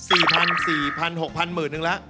สี่พันสี่พันหกพันหมื่นนึงแล้ว